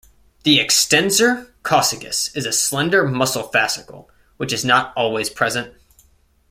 The extensor coccygis is a slender muscle fascicle, which is not always present.